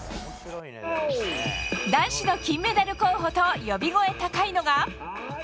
男子の金メダル候補と呼び声高いのが。